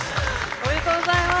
おめでとうございます。